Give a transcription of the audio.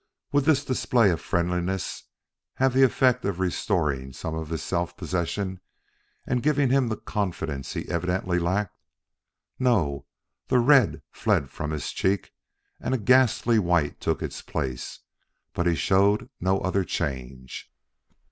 Would this display of friendliness have the effect of restoring some of his self possession and giving him the confidence he evidently lacked? No, the red fled from his cheek, and a ghastly white took its place; but he showed no other change.